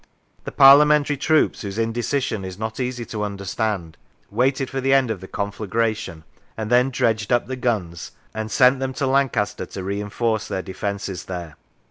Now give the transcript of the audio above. The Parliamentary troops, whose indecision is not easy to understand, waited for the end of the conflagration, and then dredged up the guns and sent them to Lancaster to reinforce their defences there.